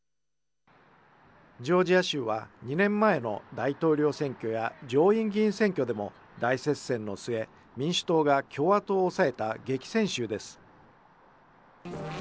ジョージア州は２年前の大統領選挙や上院議員選挙でも大接戦の末、民主党が共和党を抑えた激戦州です。